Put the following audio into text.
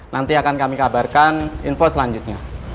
nanti akan kami kabarkan info selanjutnya